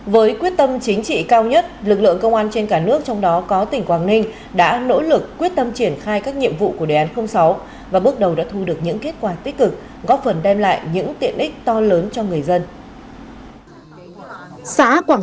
với quyết tâm chính trị cao nhất lực lượng công an trên cả nước trong đó có tỉnh quảng ninh đã nỗ lực quyết tâm triển khai các nhiệm vụ của đề án sáu và bước đầu đã thu được những kết quả tích cực góp phần đem lại những tiện ích to lớn cho người dân